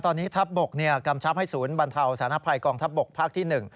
ตอนนี้ทัพบกกำชับให้ศูนย์บรรเทาสารภัยกองทัพบกภาคที่๑